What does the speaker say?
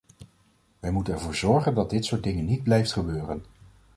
Wij moeten ervoor zorgen dat dit soorten dingen niet blijft gebeuren.